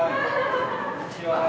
こんにちは。